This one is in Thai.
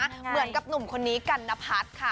เหมือนกับหนุ่มคนนี้กันนพัฒน์ค่ะ